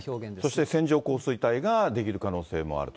そして線状降水帯が出来る可能性もあると。